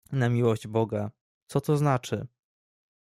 "„Na miłość Boga, co to znaczy?"